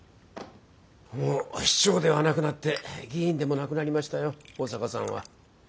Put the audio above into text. もう市長ではなくなって議員でもなくなりましたよ保坂さんは。